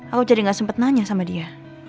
aku jadi nggak sempet nanya sama dia